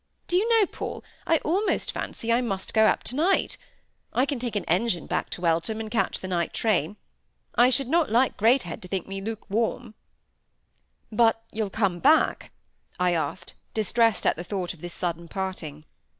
Do you know, Paul, I almost fancy I must go up to night? I can take an engine back to Eltham, and catch the night train. I should not like Greathed to think me luke warm." "But you'll come back?" I asked, distressed at the thought of this sudden parting.